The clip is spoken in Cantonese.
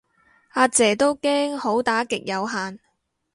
呀姐都驚好打極有限